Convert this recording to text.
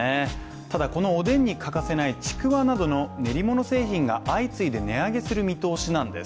ただこのおでんに欠かせないちくわなどの練り物製品が相次いで値上げする見通しなんです。